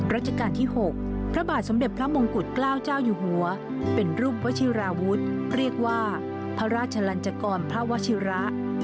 ราชการที่๖พระบาทสมเด็จพระมงกุฎเกล้าเจ้าอยู่หัวเป็นรูปวชิราวุฒิเรียกว่าพระราชลันจกรพระวชิระ